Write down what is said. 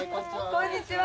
こんにちは。